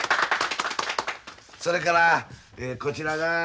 それからこちらが。